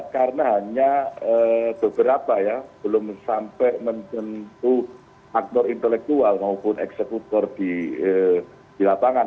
karena hanya beberapa ya belum sampai menempuh aktor intelektual maupun eksekutor di lapangan